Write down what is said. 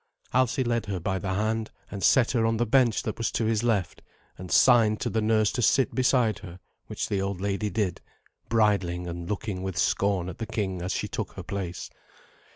Alsi led her by the hand, and set her on the bench that was to his left, and signed to the nurse to sit beside her, which the old lady did, bridling and looking with scorn at the king as she took her place.